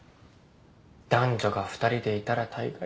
男女が２人でいたらたいがい。